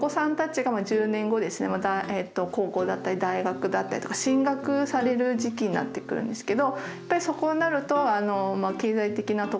高校だったり大学だったりとか進学される時期になってくるんですけどやっぱりそこになると経済的なところでですね